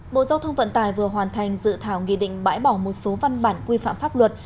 bộ giao thông vận tải vừa hoàn thành dự thảo nghị định bãi bỏ một số văn bản quy phạm pháp luật